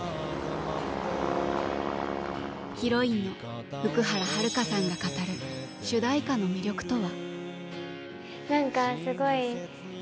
ヒロインの福原遥さんが語る主題歌の魅力とは。